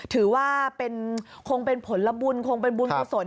ถือว่าคงเป็นผลบุญคงเป็นบุญกุศล